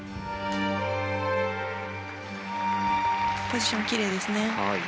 ポジションきれいですね。